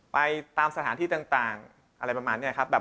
ไปตามสถานที่ต่างอะไรประมาณนี้ครับ